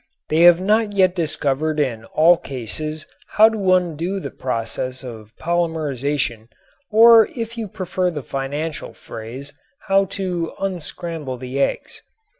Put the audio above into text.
They have not yet discovered in all cases how to undo the process of polymerization, or, if you prefer the financial phrase, how to unscramble the eggs.